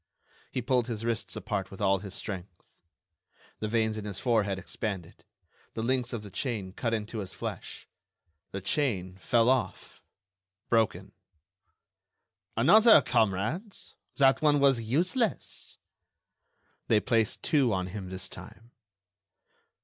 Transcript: He pulled his wrists apart with all his strength. The veins in his forehead expanded. The links of the chain cut into his flesh. The chain fell off—broken. "Another, comrades, that one was useless." They placed two on him this time.